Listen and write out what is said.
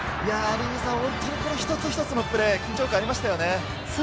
一つ一つのプレー、緊張感がありましたね。